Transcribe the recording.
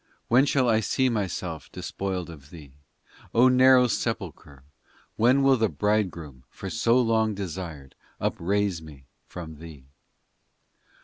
When shall I see myself despoiled of thee ? O narrow sepulchre ! When will the Bridegroom for so long desired Upraise me from thee